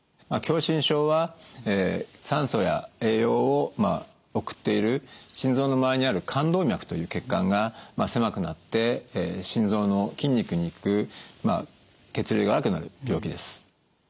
狭心症は酸素や栄養を送っている心臓の周りにある冠動脈という血管が狭くなって心臓の筋肉に行く血流が悪くなる病気です。